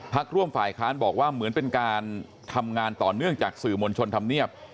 ร่วมฝ่ายค้านบอกว่าเหมือนเป็นการทำงานต่อเนื่องจากสื่อมวลชนธรรมเนียบ